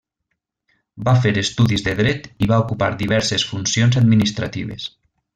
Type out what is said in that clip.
Va fer estudis de dret i va ocupar diverses funcions administratives.